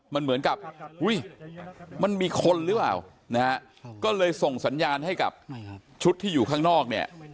มันเหมือนกับอุ้ยมันมีคนหรือเปล่านะฮะก็เลยส่งสัญญาณให้กับชุดที่อยู่ข้างนอกเนี่ย